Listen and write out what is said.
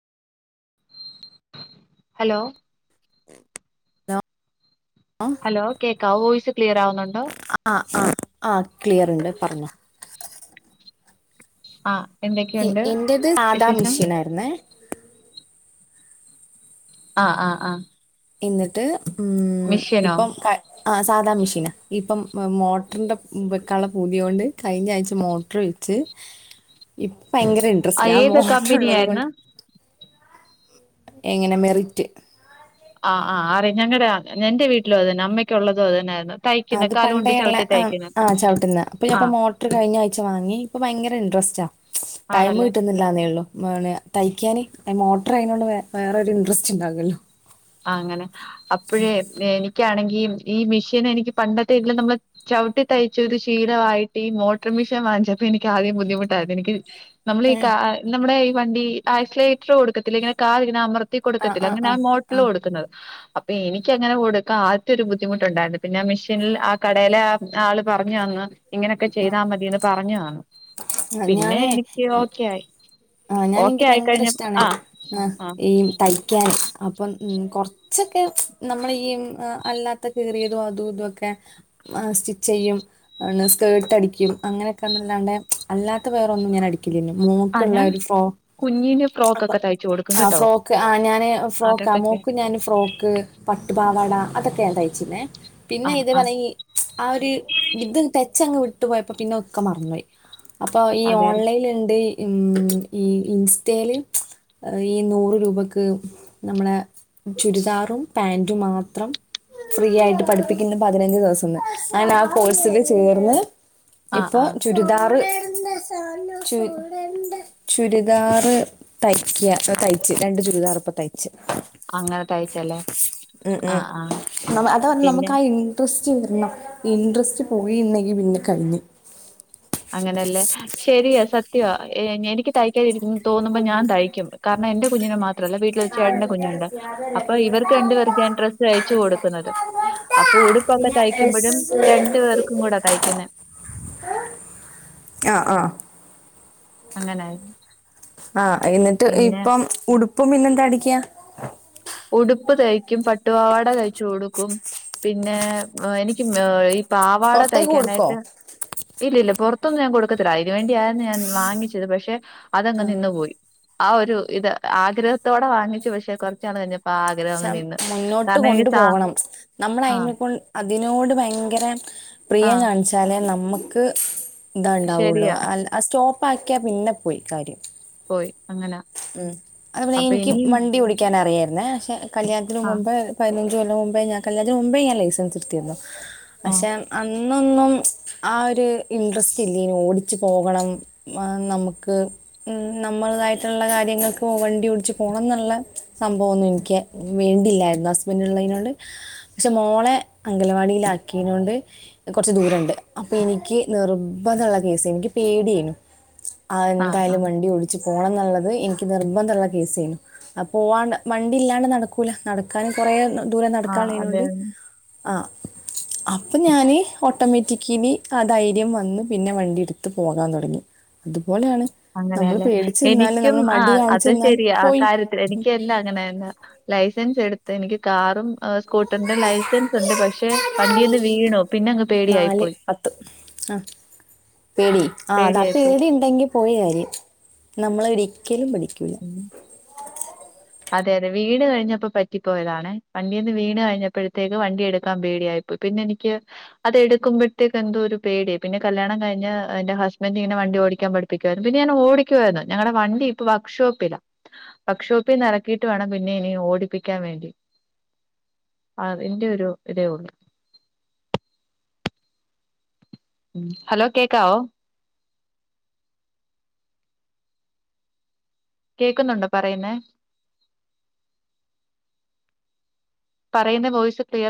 Hello [unintelligible] hello കേക്കാവ voice ക്ലിയർവുന്നുണ്ടോ? ആ ആ ആ ക്ലിയർണ്ട് പറഞ്ഞോ. ആഹ് എന്തൊക്കെണ്ട് വിശേഷം? ട്ന്നേ ആഹ് ആഹ് ആഹ് ഇന്നിട്ട് ഉം മിഷ്യനോ ഇപ്പം ആ സാധാ മെഷീനാ ഇപ്പം മോട്ടറിന്റെ വെക്കള്ള പൂതിയോണ്ട് കഴിഞ്ഞ ആഴ്ച മോട്ടർ വെച്ച്. ഇപ്പയങ്കര ഇൻട്രസ്റ്റ ആഹ് ആ ഏത് മോട്ടറു ള്ളത് കൊ കമ്പനിയായിരുന്നു എങ്ങനെ മെറിറ്റ് ആ ആ അറി ഞങടെ എന്റെ വീട്ടിലും അതുതന്നെ അമ്മയ്ക്കുള്ളതും അതുത ന്നെയാ അത് പണ്ടേയുള്ള ആ ആ ചവിട്ടുന്ന അപ്പൊഴൊക്കെ ആഹ് മോട്ടോർ ർ കഴിഞ്ഞ ആഴ്ച വാങ്ങി ഇപ്പ ഭയങ്കര ഇൻട്രസ്റ്റ ടൈം ആണല്ലേ കിട്ട ല്ലന്നേള്ളൂ തയ്ക്കാന് മോട്ടർആയോ ണ്ട് വേറൊരു ഇൻട്രസ്റ്റ്ണ്ടാകല്ലോ? ആ അങ്ങനെ അപ്പഴേ എനിക്കാണെങ്കി ഈ മെഷീൻ എനിക്ക് പണ്ടത്തെ ഇതില നമ്മള് ചവിട്ടി തയ്ച്ച ഒരു ശീലമായിട്ട്ഈ മോട്ടർ മിഷീൻ വാങ്ങിച്ചപ്പോ എനിക്ക് ആദ്യം ബുദ്ധിമുട്ടായി എനിക്ക് നമ്മൾ ഈ ഏഹ് കാ നമ്മുടെ ഈ വണ്ടി ആക്സലേറ്റർ കൊടുക്കത്തില്ലേ ഇങ്ങനെ കാലിങ്ങനെ അമർ ത്തി ആ കൊടുക്കത്തില്ല ആ അങ്ങനെ ആ ആ മോട്ടില് കൊടുക്കുന്നത്. അപ്പൊ എനിക്കങ്ങനെ കൊടുക്ക ആദ്യത്തെ ഒരു ബുദ്ധിമുട്ടുണ്ടായിരുന്നു പിന്നെ ആ മെഷീനിൽ ആ കടേലെ ആള് പറഞ്ഞുതന്ന് ഇങ്ങനെയൊക്കെ ചെയ്താ മതിന്ന് പറഞ്ഞു തന്നു ആ, പിന്നെ ഞാനേ എനിക്ക് ഓക്കെയി. ഓക്കെ ആയിക്കഴിഞ്ഞപ്പോ ആ ആഹ് ആ ഈ തയ്ക്കാൻ അപ്പം ഉം കൊറച്ചൊക്കെ നമ്മളീ അല്ലാത്ത ത്ത കീറിയതും അതും ഇതൊക്കെ സ്റ്റിച്ചിയ്യും. അണ് സ്കേർട്ടടിക്കും അങ്ങനെയൊക്കെന്നല്ലാണ്ടെ അല്ലാത്ത വേറൊന്നും ഞാൻ അടിക്കില്ല മോ ആ ൻക്ക്ള്ള ഞാൻ ഒരു ഫോ കുഞ്ഞിന് ഫ്രോക്ക് അപ്പോ ഒക്കെ തയ്ച്ചു കൊടുക്കും ആഹ് കേട്ടോ ഫ്രോക്ക് ആഹ് ഞാന് ഫ്രോക്ക അതൊക്കെ മോക്കും ഞാൻ ഫ്രോക്ക് പട്ടുപാവാട അതൊക്കെ ഞാൻ തയ്ച്ചിണ്ണേ പിന്നെ ആഹ് ആഹ് ഇതേപലെ ഈ ആഹ് ഒരു ഇത് ടെച്ചങ്ങ് വിട്ടു പോയപ്പോ പിന്നെ ഒക്കെ മറന്നോയി. അപ്പൊ ഈ അതെയല്ലേ ഓൺലൈനിലിണ്ട് ഉം ഈ ഇൻസ്റ്റൽ ഏഹ് ഈ നൂറ് രൂപക്ക് നമ്മളെ ചുരിദാറും പാന്റും മാത്രം ഫ്രീ ആയിട്ട് പഠിപ്പിക്കുന്നു പതിനഞ്ച് ദിവസംന്ന് അങ്ങനെ ആഹ് കോഴ്സില് ചേർന്ന് ആഹ് ഇപ്പൊ ആഹ് ചുരിദാറ് ചു ചുരിദാർ തയ്ക്കിയ തയ്ച്ച് രണ്ട് ചുരിദാർ ഇപ്പ തയ്ച്ച് അങ്ങനെ തയ്ച്ചല്ലേ ഉം ആഹ് ആഹ് ഉം അതാ പറഞ്ഞ് പിന്നെ നമുക്കാ ഇൻ ഇൻട്രസ്റ്റ് വരണം ഇൻട്രസ്റ്റ് പോയിന്നെങ്കിൽ പിന്നെ കഴിഞ്ഞ് അങ്ങനെയല്ലേ ശരിയാ സത്യവാ എനിക്ക് തയ്ക്കാതിരിക്കന്ന് തോന്നുമ്പോ ഞാൻ തയ്ക്കും കാരണം എന്റെ കുഞ്ഞിനെ മാത്രല്ല വീട്ടിൽ ഒരു ചേട്ടന്റെ കുഞ്ഞുണ്ട് അപ്പൊ ഇവർക്ക് രണ്ട് പേർക്കുഞ്ഞാൻ ഡ്രസ്സ് തയ്ച്ചു കൊടുക്കുന്നത് അപ്പൊ ഉടുപ്പൊക്കെ പിന്നെ തയ്ക്കുമ്പഴും രണ്ടു പേർക്കും കൂടാ തയ്ക്കുന്നെ ആഹ് ആഹ് അങ്ങനായി ആഹ് എന്നിട്ട് ഇപ്പം ഉടുപ്പും പിന്നെന്ത അടിക്ക ഉടുപ്പ് തയ്ക്കും പട്ടുപാവാട തയ്ച്ചു കൊടുക്കും പിന്നെ എനിക്ക് ഏഹ് പാവാട പുറത്തേക്ക് കൊടുക്കോ തയ്ക്കാനായിട്ട് ഇല്ല ഇല്ല പൊറത്തൊന്നും ഞാൻ കൊടുക്കത്തില്ല അയിന് വേണ്ടി ഞാൻ ഞാൻ വാങ്ങിച്ചത് പക്ഷെ അതങ്ങ് ആഹ് നിന്നു പോയി. ആഹ് ഒരു ഇത് ആഗ്രഹത്തോടെ വാങ്ങിച്ചു പക്ഷെ കൊറച്ചാള് കഴിഞ്ഞ സം മുന്നോട്ട് കൊണ്ടു പോകണം നമ്മൾ ആ അയ്നിപ്പോ അതിനോട് ഭയങ്കര ആ പ്രിയം കാണിച്ചാലേ നമ്മക്ക് ഇതാണ്ടാവുള്ളൂ ശരിയാ അൽ ആ സ്റ്റോപ്പാക്കിയാൽ പിന്നെ പോയി കാര്യം പോയി അങ്ങനെ ഉം അതുപോലെ അപ്പൊ എനിക്ക് ഇനിയും വണ്ടി ഓടി ക്കാനറിയാര്ന്നേ പക്ഷെ കല്യാണത്തിന് ആ മുമ്പ് പയിനഞ്ച് കൊല്ലം മുമ്പേ ഞാൻ കല്ല്യണത്തിന് മുമ്പേ ഞാൻ ലൈസൻസ് എടുത്തിരുന്നു ആ പഷേ അന്നൊന്നും ആഹ് ഒരു ഇൻട്രസ്റ്റ് ഇല്ലേനു ഓടിച്ച് പോകണം ആഹ് നമ്മക്ക് ഉം നമ്മളതായിട്ടുള്ള കാര്യങ്ങൾക്ക് വണ്ടി ഓടിച്ച് പോണന്നുള്ള സംഭവൊന്നും എനിക്ക് വേണ്ടില്ലായിരുന്നു ഹസ്ബൻഡ് ഇള്ളയിനോണ്ട് പക്ഷെ മോളെ അംഗലവാടിയിലാക്കിനോണ്ട് കൊറച്ച് ദൂരണ്ട് അപ്പൊ എനിക്ക് നിർബന്ധള്ള കേസെയ്ന്നു എനിക്ക് പേടിയെനു ആഹ് ആ ആ എന്തായാലും വണ്ടി വിളി ച്ച് പോണന്നുള്ളത് എനിക്ക് നിർബന്ധള്ള കേസെയ്നു അ പോവാണ്ട് വണ്ടി ഇല്ലാണ്ട് നടക്കൂല ന ക്കാനും കൊറേ ദൂരം ആ അതെ നടക്കാനുള്ളയ്നോണ്ട് ആഹ് അപ്പൊ ഞാന് ഓട്ടോമാറ്റിക്കലി ആഹ് ധൈര്യം വന്ന് പിന്നെ വണ്ടി എടുത്ത് പോകാൻ തൊടങ്ങി. ഇതുപോലാണ് അങ്ങനേല്ലേ എനിക്കും ആഹ് കാണിച്ച് അത് നിന്നാൽ ശരിയാ ആഹ് പോയി കാര്യത്തിൽ എനിക്കെല്ലാം അങ്ങനന്നാ ലൈസൻസ് എടുത്ത് എനിക്ക് കാറും ആ സ്കൂട്ടറിന്റെ ലൈസൻസ്ണ്ട് പക്ഷെ വണ്ടിന്ന് വീണു പിന്നങ്ങ് നാല് പത്ത് ആഹ് പേടി ആഹ് അതാ പേടിയായി പോയി പേടിണ്ടെങ്കി പോയ കാര്യം നമ്മളൊരിക്കലും പഠിക്കുല്ല. ഉം അതെ അതെ വീണ് കഴിഞ്ഞപ്പോ പറ്റിപ്പോയതാണെ വണ്ടീന്ന് വീണ് കഴിഞ്ഞപ്പഴത്തേക്ക് വണ്ടി എടുക്കാൻ പേടിയായി പ്പൊ പിന്നെനിക്ക് അതെടുക്കുമ്പഴത്തേക്ക് എന്തോ ഒരു പേടി പിന്നെ കല്യാണം കഴിഞ് എന്റെ ഹസ്ബൻഡ് ഇങ്ങനെ വണ്ടി ഓടിക്കാൻ പഠി പ്പിക്കുവാര്ന്ന് പിന്നെ ഞാൻ ഓടിക്കുവാര്ന്ന് ഞങ്ങടെ വണ്ടി ഇപ്പ വർക്ക്ഷോപ്പിലാ വർക്ക്ഷോപ് പ്പിന്ന എറക്കീട്ട് വേണം പിന്നെ ഇനി ഓടിപ്പിക്കാൻ വേണ്ടി അതിന്റെ ഒരു ഇതേ ഒള്ളൂ ഉം ഹലോ കേക്കാവോ കേക്കുന്നുണ്ടോ പറയുന്നേ പറയുന്ന വോയിസ് ക്ലിയർ